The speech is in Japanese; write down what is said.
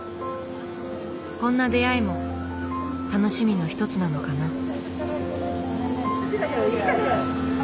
こんな出会いも楽しみの一つなのかな。